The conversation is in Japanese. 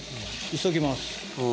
急ぎます。